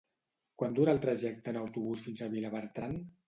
Quant dura el trajecte en autobús fins a Vilabertran?